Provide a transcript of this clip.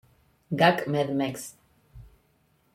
Gac Med Mex.